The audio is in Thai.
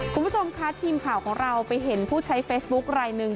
คุณผู้ชมคะทีมข่าวของเราไปเห็นผู้ใช้เฟซบุ๊คลายหนึ่ง